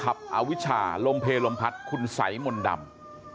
อาวิชาลมเพลลมพัดคุณสัยมนต์ดำ